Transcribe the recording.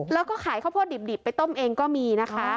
แล้วก็ขายข้าวโพดดิบไปต้มเองก็มีนะคะ